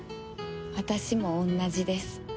私も同じです。